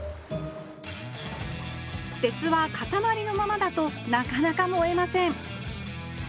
鉄はかたまりのままだとなかなか燃えません